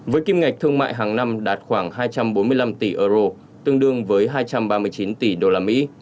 với kim ngạch thương mại hàng năm đạt khoảng hai trăm bốn mươi năm tỷ euro tương đương với hai trăm ba mươi chín tỷ đô la mỹ